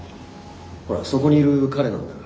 ほらそこにいる彼なんだが。